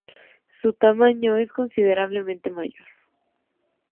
Su tamaño es considerablemente mayor.